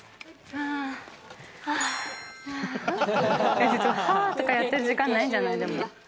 「はぁ」とかやってる時間ないんじゃないの？